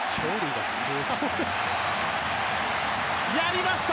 やりました！